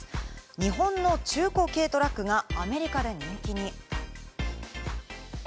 日本の中古軽トラックがアメリカで人気に。